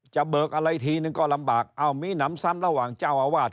เบิกอะไรทีนึงก็ลำบากเอ้ามีหนำซ้ำระหว่างเจ้าอาวาส